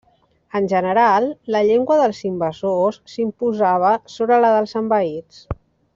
En general, la llengua dels invasors s'imposava sobre la dels envaïts.